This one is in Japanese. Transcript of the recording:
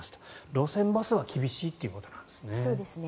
路線バスは厳しいということなんですね。